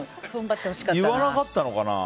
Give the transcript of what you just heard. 言わなかったのかな。